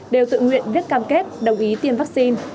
đều tự nguyện viết cam kết đồng ý tiêm vaccine